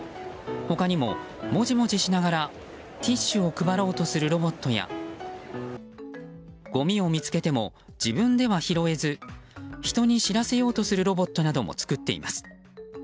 他にも、もじもじしながらティッシュを配ろうとするロボットやごみを見つけても自分では拾えず人に知らせようとするロボットなども作っています。